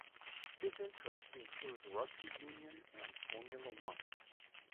His interest include Rugby Union and Formula One.